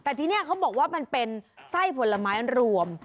แต่ที่นี่เขาบอกว่ามันเป็นไส้ผลไม้รวม